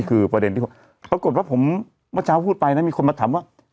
คือประเด็นที่ปรากฏว่าผมเมื่อเช้าพูดไปนะมีคนมาถามว่า